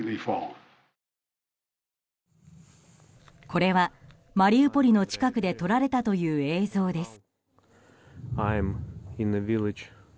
これはマリウポリの近くで撮られたという映像です。